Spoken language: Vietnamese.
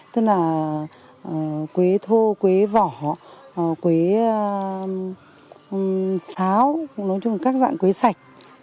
tức là quế thô quế vỏ quế sáo các dạng quế sạch